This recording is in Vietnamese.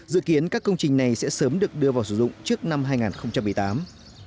dự kiến các công trình này sẽ sớm được đưa vào sử dụng trước năm hai nghìn một mươi tám